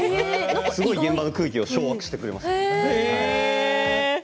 現場の空気を掌握してくれます。